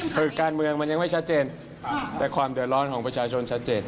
คือการเมืองมันยังไม่ชัดเจนแต่ความเดือดร้อนของประชาชนชัดเจน